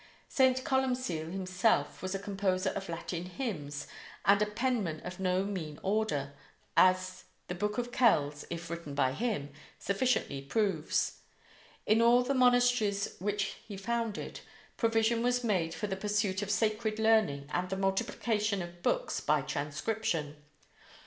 St. Columcille himself was a composer of Latin hymns and a penman of no mean order, as the Book of Kells, if written by him, sufficiently proves. In all the monasteries which he founded, provision was made for the pursuit of sacred learning and the multiplication of books by transcription.